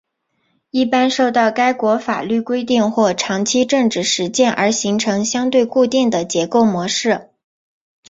一般受到该国法律规定或长期政治实践而形成相对固定的结构模式。